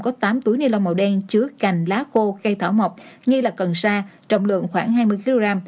có tám túi ni lông màu đen chứa cành lá khô cây thảo mọc nghi là cần sa trọng lượng khoảng hai mươi kg